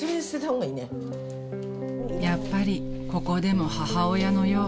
［やっぱりここでも母親のよう］